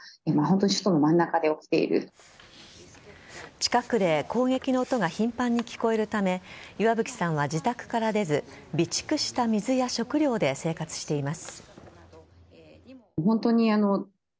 近くで攻撃の音が頻繁に聞こえるため岩吹さんは自宅から出ず備蓄した水や食料で生活しています。